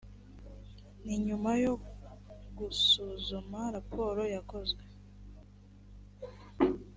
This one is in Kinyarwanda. ni nyuma yo gusuzuma raporo yakozwe